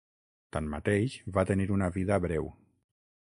Tanmateix, va tenir una vida breu.